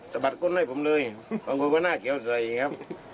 สะบัดก้นให้ผมเลยบางคนก็น่าเกี่ยวใส่ครับ